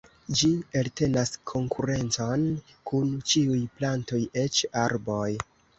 Ĝi eltenas konkurencon kun ĉiuj plantoj eĉ arboj.